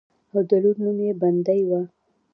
او د لور نوم يې بندۍ وۀ